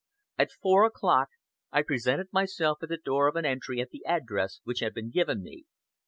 At four o'clock I presented myself at the door of an entry at the address which had been given me.